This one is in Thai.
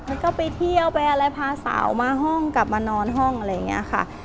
แล้วก็ไปเที่ยวไปอะไรพาสาวมาห้องกลับมานอนห้องอะไรอย่างนี้ค่ะ